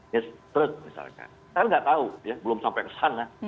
misalkan saya tidak tahu belum sampai kesana